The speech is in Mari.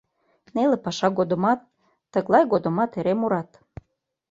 Неле паша годымат, тыглай годымат эре мурат.